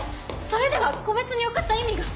それでは個別に送った意味が。